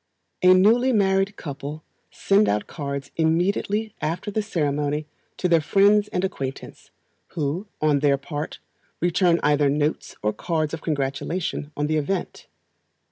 A newly married couple send out cards immediately after the ceremony to their friends and acquaintance, who, on their part, return either notes or cards of congratulation on the event.